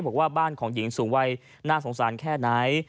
บอกว่าบ้านของหญิงสูงวัยน่าสงสารแค่ไหน